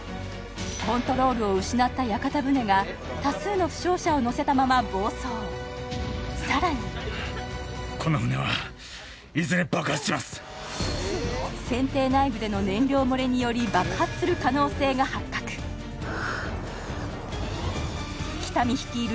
コントロールを失った屋形船が多数の負傷者を乗せたまま暴走船艇内部での燃料漏れにより爆発する可能性が発覚喜多見率いる